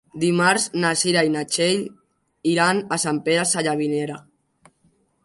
Dimarts na Cira i na Txell iran a Sant Pere Sallavinera.